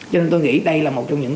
cho nên tôi nghĩ đây là một trong những